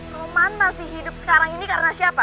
oman masih hidup sekarang ini karena siapa